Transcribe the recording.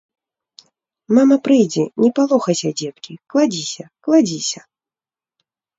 Мама прыйдзе, не палохайся, дзеткі, кладзіся, кладзіся.